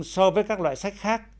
so với các loại sách khác